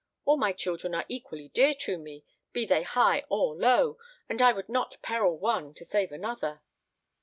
All my children are equally dear to me, be they high or low, and I would not peril one to save another."